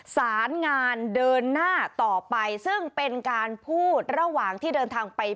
สารงานเดินหน้าต่อไปซึ่งเป็นการพูดระหว่างที่เดินทางไป